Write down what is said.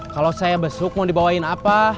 kalau saya besuk mau dibawain apa